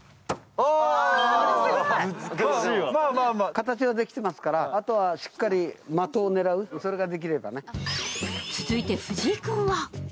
形はできてますからあとはしっかり的を狙う、それができればね。